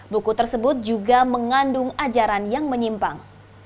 buku tersebut juga mengandung ajaran yang menyimpang